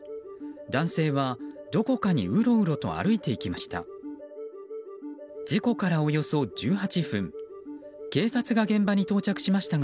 男性は、どこかにうろうろと歩いていきました。